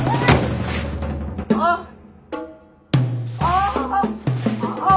・あっ！